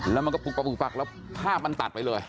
แล้วมันก็ปุกปักแล้วภาพมันตัดไปเลย